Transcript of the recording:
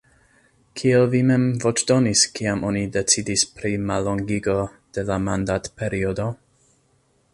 Kiel vi mem voĉdonis, kiam oni decidis pri la mallongigo de la mandatperiodo?